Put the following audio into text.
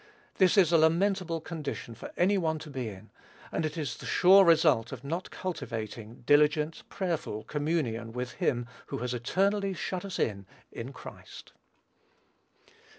This is a lamentable condition for any one to be in, and it is the sure result of not cultivating diligent, prayerful communion with him who has eternally shut us in in Christ.